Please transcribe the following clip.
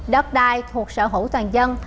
đất đai thuộc sở hữu toàn dân